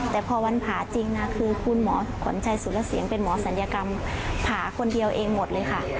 แต่พอวันผ่าจริงนะคือคุณหมอขวัญชัยสุรเสียงเป็นหมอศัลยกรรมผ่าคนเดียวเองหมดเลยค่ะ